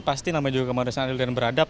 pasti namanya juga kemanusiaan adil dan beradab